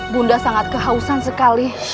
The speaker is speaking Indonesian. bunda sangat kehausan sekali